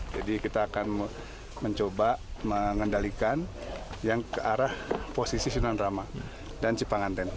jadi kita akan mencoba mengendalikan yang ke arah posisi sunan rama dan cipang anten